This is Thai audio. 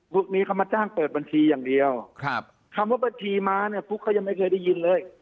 พวกนี้เขามาจ้างเปิดบัญชีอย่างเดียวคำว่าบัญชีม้าเนี่ยฟุ๊กเขายังไม่เคยได้ยินเลย